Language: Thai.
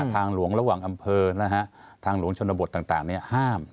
ทางหลวงระหว่างอำเภอนะฮะทางหลวงชนบทต่างห้าม